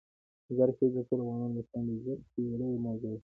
مزارشریف د ټولو افغان ماشومانو د زده کړې یوه لویه موضوع ده.